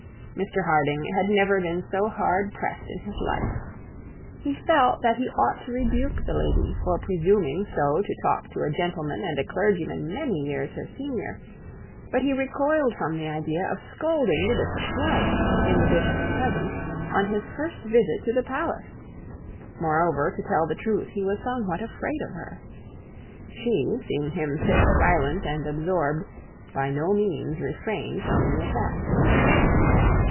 Mr Harding had never been so hard pressed in his life. He felt that he ought to rebuke the lady for presuming so to talk to a gentleman and a clergyman so may years her senior; but he recoiled from the idea of scolding the bishop's wife, in the bishop's presence, on his first visit to the palace; moreover, to tell the truth, he was somewhat afraid of her. She, seeing him sit silent and absorbed, by no means refrained from the attack.